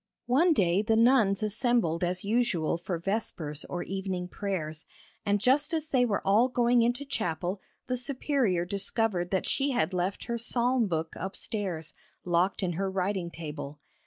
One day the nuns assembled as usual for vespers or evening prayers, and just as they were all going into chapel the Superior discovered that she had left her psalm book upstairs, locked in her writing table.